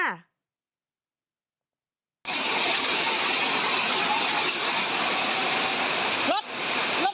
รถรถลูกค้าบอก